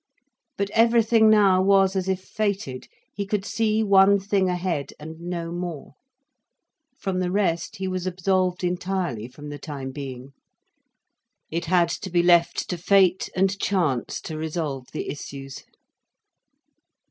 But everything now was as if fated. He could see one thing ahead, and no more. From the rest, he was absolved entirely for the time being. It had to be left to fate and chance to resolve the issues.